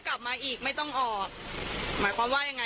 กลับมาก่อนกลับมานะฮะ